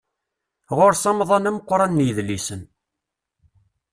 Ɣur-s amḍan ameqqran n yidlisen.